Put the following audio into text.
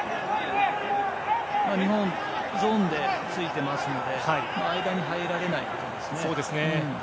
日本、ゾーンでついてますので間に入られないことですね。